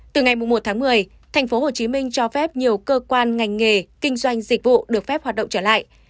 từ ngày một tháng một mươi tp hcm cho phép nhiều cơ quan ngành nghề kinh doanh dịch vụ được phép hoạt động trở lại